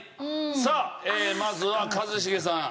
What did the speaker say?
さあまずは一茂さん。